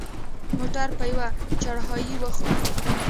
موټر په یوه چړهایي وخوت.